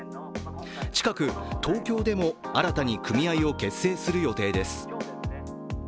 近く東京でも新たに組合を結成する予定です。